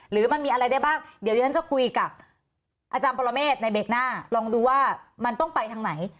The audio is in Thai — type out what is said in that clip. หรือมันมีอะไรได้บ้างเดี๋ยวดิฉันจะคุยกับอาจารย์ปรเมฆในเบรกหน้าลองดูว่ามันต้องไปทางไหน